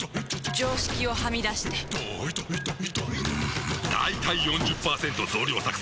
常識をはみ出してんだいたい ４０％ 増量作戦！